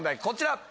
こちら。